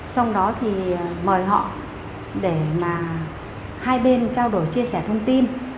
xong đó thì mời họ để mà hai bên trao đổi chia sẻ thông tin